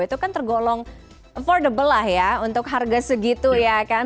itu kan tergolong affordable lah ya untuk harga segitu ya kan